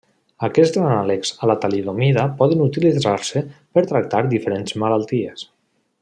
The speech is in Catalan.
Aquests anàlegs a la talidomida poden utilitzar-se per tractar diferents malalties.